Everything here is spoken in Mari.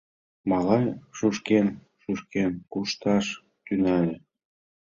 Малай шӱшкен-шӱшкен кушташ тӱҥале.